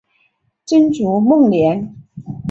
曾祖孟廉。